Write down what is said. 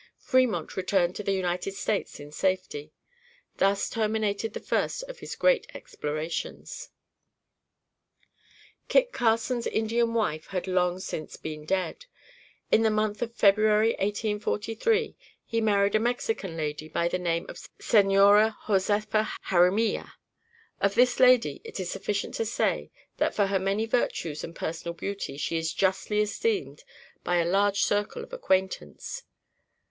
Fremont returned to the United States in safety. Thus terminated the first of his great explorations. Kit Carson's Indian wife had long since been dead. In the month of February, 1843, he married a Mexican lady by the name of Señora Josepha Jarimilla. Of this lady it is sufficient to say that for her many virtues and personal beauty she is justly esteemed by a large circle of acquaintance.